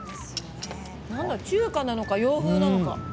中華なのか洋風なのか。